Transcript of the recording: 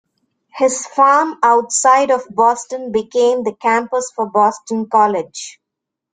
His farm outside of Boston became the campus for Boston College.